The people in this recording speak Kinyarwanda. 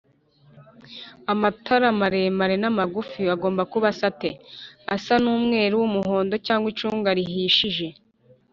amatara maremare namagufi agomba gusa ate?asa n’umweru, Umuhondo cg se icunga rihishije